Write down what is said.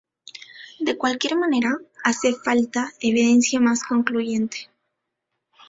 De cualquier manera, hace falta evidencia más concluyente.